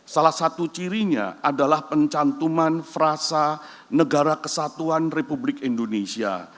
salah satu cirinya adalah pencantuman frasa negara kesatuan republik indonesia